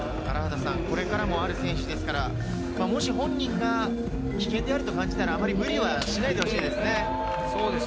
力もある選手ですから、もし本人が危険であると感じたら、あまり無理はしないで欲しいですね。